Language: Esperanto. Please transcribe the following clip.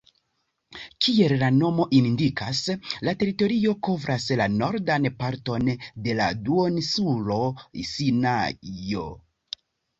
Kiel la nomo indikas, la teritorio kovras la nordan parton de la duoninsulo Sinajo.